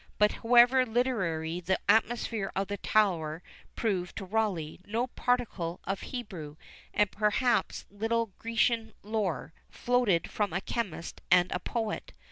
But however literary the atmosphere of the Tower proved to Rawleigh, no particle of Hebrew, and perhaps little of Grecian lore, floated from a chemist and a poet.